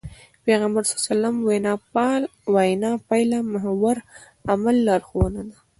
پيغمبر ص وينا پايلهمحور عمل لارښوونه ده.